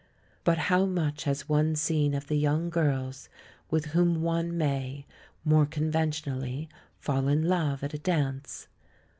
But how much has one seen of the young girl's with whom one may, more conventionally, fall in love at a dance?